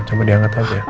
coba dianggap aja